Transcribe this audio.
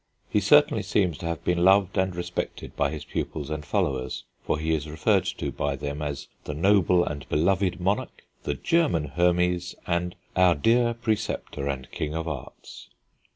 He certainly seems to have been loved and respected by his pupils and followers, for he is referred to by them as "the noble and beloved monarch," "the German Hemes," and "our dear Preceptor and King of Arts."